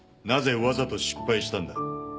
なぜわざと失敗したんだ？